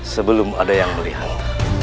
sebelum ada yang melihat